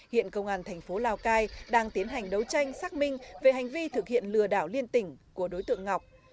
hiện công an thành phố lào cai đang tiến hành đấu tranh xác minh về hành vi thực hiện lừa đảo liên tỉnh của đối tượng ngọc